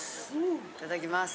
いただきます。